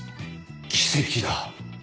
奇跡だ。